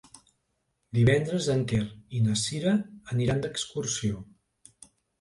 Divendres en Quer i na Cira aniran d'excursió.